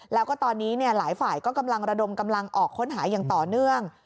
แล้วก็ตอนนี้หลายฝ่ายก็กำลังระดมกำลังออกค้นหาอย่างต่อเนื่อง